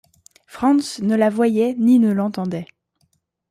Franz ne la voyait ni ne l’entendait...